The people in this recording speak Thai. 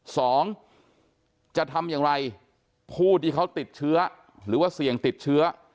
สองจะทำอย่างไรผู้ที่เขาติดเชื้อหรือว่าเสี่ยงติดเชื้อ